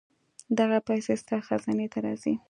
دغه پېسې ستا خزانې ته راځي.